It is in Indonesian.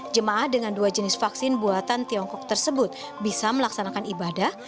jemaah dengan dua jenis vaksin buatan tiongkok tersebut bisa melaksanakan ibadah